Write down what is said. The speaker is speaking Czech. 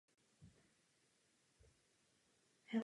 Ves poté poměrně rychle rostla i přes poničení ve třicetileté válce.